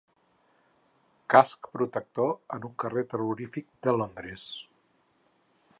Casc protector en un carrer terrorífic de Londres.